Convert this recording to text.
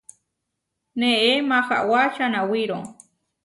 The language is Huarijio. Neé Mahawá čanawíro.